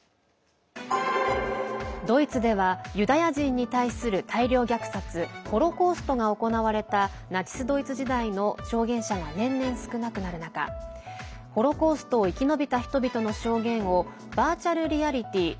ドイツではユダヤ人に対する大量虐殺＝ホロコーストが行われたナチス・ドイツ時代の証言者が年々少なくなる中ホロコーストを生き延びた人々の証言をバーチャルリアリティー＝